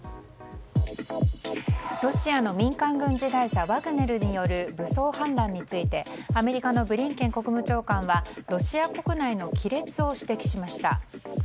ロシアの民間軍事会社ワグネルによる武装反乱についてアメリカのブリンケン国務長官はロシア国内の亀裂を指摘しました。